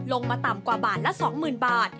ลงมาต่ำกว่าบาทละสองหมื่นบาท